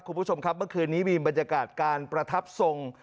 คุณผู้ชมครับเมื่อคืนนี้มีบรรยากาศการประทับทรง